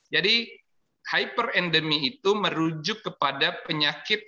jadi hyperendemik itu merujuk kepada penyakit